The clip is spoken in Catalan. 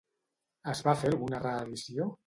En va fer alguna reedició?